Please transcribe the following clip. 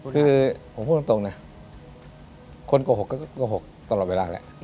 คือผมพูดตรงนะคนโกหกก็โกหกตลอดเวลาแหละ